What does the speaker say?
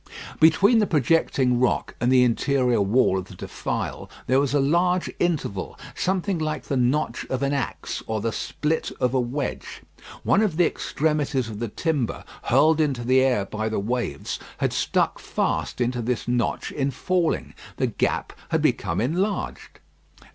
Between the projecting rock and the interior wall of the defile there was a large interval, something like the notch of an axe, or the split of a wedge. One of the extremities of the timber hurled into the air by the waves had stuck fast into this notch in falling. The gap had become enlarged.